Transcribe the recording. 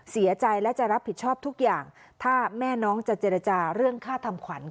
เสียใจและจะรับผิดชอบทุกอย่างถ้าแม่น้องจะเจรจาเรื่องค่าทำขวัญ